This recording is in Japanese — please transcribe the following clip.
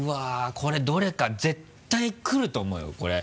これどれか絶対来ると思うよこれ。